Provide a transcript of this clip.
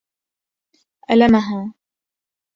المها